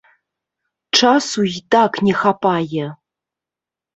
Часу і так не хапае.